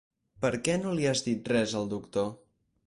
Per què no li has dit res al doctor?